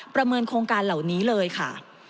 ประเมินโครงการเหล่านี้เลยค่ะ